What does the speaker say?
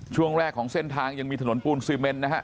ช่วงแรกของเส้นทางยังมีถนนปูนซีเมนนะฮะ